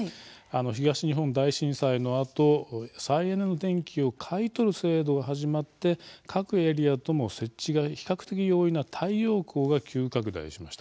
東日本大震災のあと再エネの電気を買い取る制度が始まって各エリアとも設置が比較的容易な太陽光が急拡大しました。